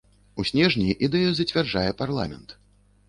У снежні ідэю зацвярджае парламент.